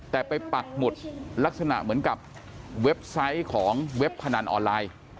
แต่ไปปักหมุดลักษณะเหมือนกับเว็บไซต์ของเว็บพนันออนไลน์